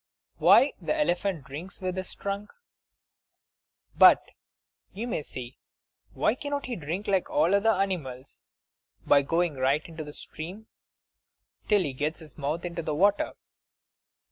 Why the Elephant Drinks with His Trunk But, you may say, why cannot he drink like other animals, by going right into the stream till he gets his mouth into the water?